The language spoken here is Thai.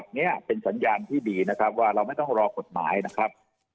นี้เป็นสัญญาณที่ดีนะครับว่าเราไม่ต้องรอกฎหมายนะครับ